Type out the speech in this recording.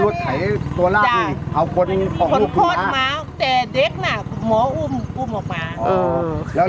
แต่เด็กน่ะหมออุ้มออกมา